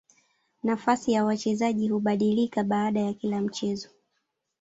Nafasi ya wachezaji hubadilika baada ya kila mchezo.